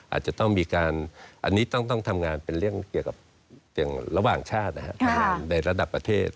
อันนี้ต้องทำงานเป็นเรื่องระหว่างชาติในระดับประเทศ